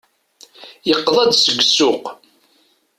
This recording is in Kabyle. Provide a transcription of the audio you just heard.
Yeqḍa-d seg ssuq.